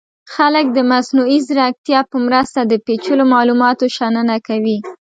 خلک د مصنوعي ځیرکتیا په مرسته د پیچلو معلوماتو شننه کوي.